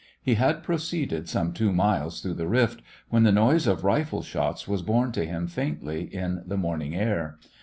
He had proceeded some two miles through the rift when the noise of rifle shots was borne to him faintly in the morning air.